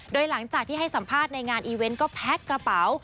โดยหลังจากที่ให้สัมภาษณ์ในงานอีเวนต์ก็แพ็คกระเป๋า